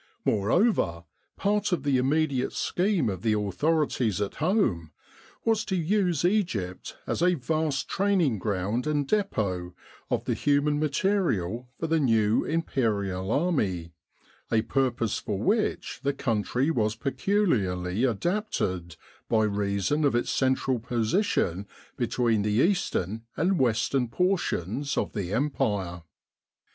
Moreover, part of the immediate scheme of the authorities at home was to use Egypt as a vast training ground and depot of the human material for the new Imperial Army, a pur pose for which the country was peculiarly adapted, by reason of its central position between the eastern and western portions of the Empire.